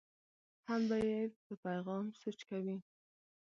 هم به یې په پیغام سوچ کوي.